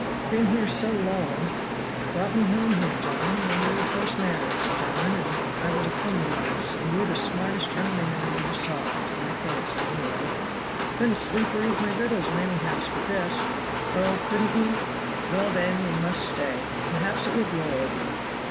'Been here so long brought me home here, John when we were first married, John and I was a comely lass, and you the smartest young man I ever saw, to my fancy any way; couldn't sleep or eat my victuals in any house but this.' "'Oh! couldn't ye? Well, then, we must stay; perhaps it will blow over.'